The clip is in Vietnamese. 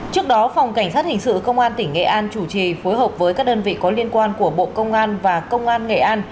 trước đó phòng cảnh sát hình sự công an tỉnh nghệ an chủ trì phối hợp với các đơn vị có liên quan của bộ công an và công an nghệ an